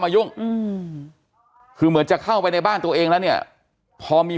ยุ่งอืมคือเหมือนจะเข้าไปในบ้านตัวเองแล้วเนี่ยพอมี